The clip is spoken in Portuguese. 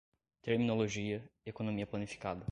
Terminologia, economia planificada